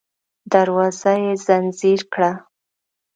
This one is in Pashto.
دروازه يې ځنځير کړه.